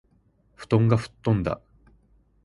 布団がふっとんだ